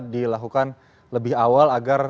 dilakukan lebih awal agar